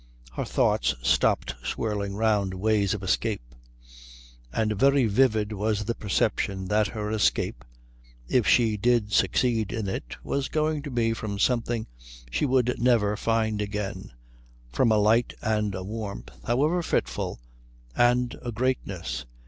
Her thoughts stopped swirling round ways of escape. And very vivid was the perception that her escape, if she did succeed in it, was going to be from something she would never find again, from a light and a warmth, however fitful, and a greatness....